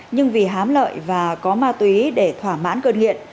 nhưng vì hám lợi và có ma túy để thỏa mãn cơn nghiện